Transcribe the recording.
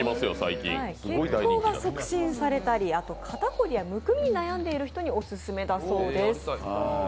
血行が促進されたり、肩凝りやむくみに悩んでいる人にオススメだそうです。